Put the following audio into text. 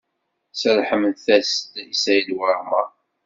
Serrḥemt-as-d i Saɛid Waɛmaṛ.